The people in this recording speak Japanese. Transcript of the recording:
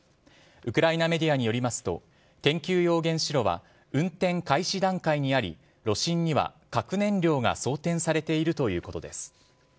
ウクライナメディアによりますと研究用原子炉は運転開始段階にあり炉心には核燃料が装填されているということです。